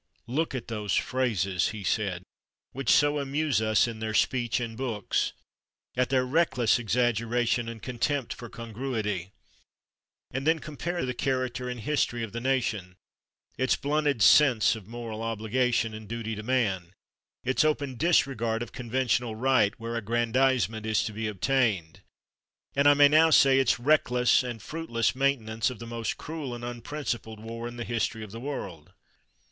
"Look at those phrases," he said, "which so amuse us in their speech and books; at their reckless exaggeration and contempt for congruity; and then compare the character and history of the nation its blunted sense of moral obligation and duty to man; its open disregard of conventional right where aggrandizement is to be obtained; and I may now say, its reckless and fruitless maintenance of the most cruel and unprincipled war in the history of the world."